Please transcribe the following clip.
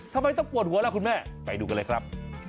ทำไมต้องปวดหัวล่ะคุณแม่ไปดูกันเลยครับ